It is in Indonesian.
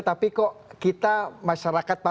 tapi kok kita masyarakat